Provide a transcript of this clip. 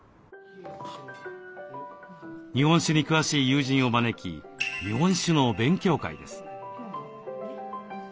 日本酒に詳しい友人を招き日本酒の勉強会です。